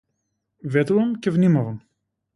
Ветувам, ќе внимавам!